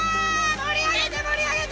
盛り上げて盛り上げて。